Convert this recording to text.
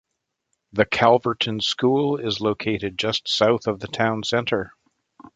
The Calverton School is located just south of the town center.